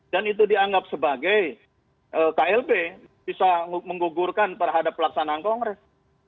dan itu dianggap sebagai klb bisa menggugurkan terhadap pelaksanaan kongres